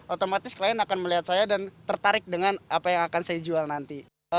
otomatis klien akan melihat saya dan tertarik dengan apa yang akan saya jual nanti